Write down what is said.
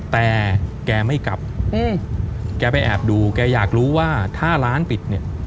แต่แกไม่กลับแกไปแอบดูแกอยากรู้ว่าถ้าร้านปิดเนี่ย